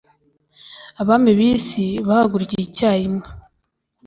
abami b'isi bahagurukiye icyarimwe